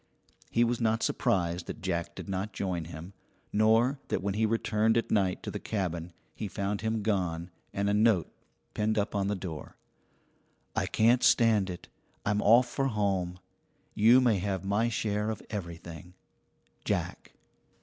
He was not surprised that Jack did not join him, nor that when he returned at night to the cabin he found him gone and a note pinned up on the door: I can't stand it I'm off for home. You may have my share of everything. JACK.